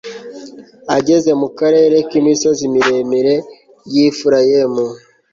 ageze mu karere k'imisozi miremire y'i efurayimu